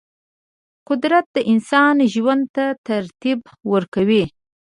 قدرت د انسان ژوند ته ترتیب ورکوي.